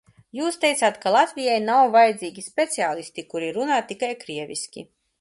Jūs teicāt, ka Latvijai nav vajadzīgi speciālisti, kuri runā tikai krieviski.